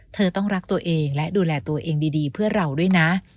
เธอต้องรักตัวเองและดูแลตัวเองดีเพื่อเราด้วยนะ